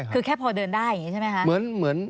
คือแค่พอเดินได้อย่างนี้ใช่ไหมคะ